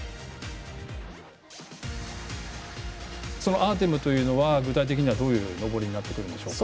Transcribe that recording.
アーテムというのは具体的には、どういう登りになってくるんでしょうか？